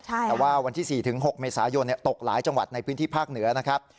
แต่ว่าวันที่๔๖เมษายนตกหลายจังหวัดในพื้นที่ภาคเหนือนะครับ